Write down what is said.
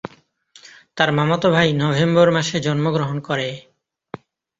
তার মামাতো ভাই নভেম্বর মাসে জন্মগ্রহণ করে।